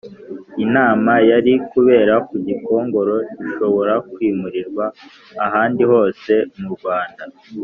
Inama yari kubera ku Gikongoro ishobora kwimurirwa ahandi hose mu Rwanda